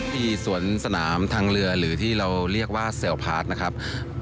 ที่สวนสนามทางเรือหรือที่เราเรียกว่าเซลลพาร์ทนะครับ